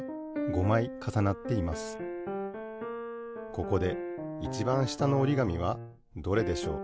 ここでいちばん下のおりがみはどれでしょう？